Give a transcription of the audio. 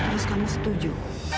terus kamu setuju